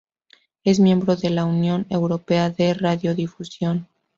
Es miembro de la Unión Europea de Radiodifusión.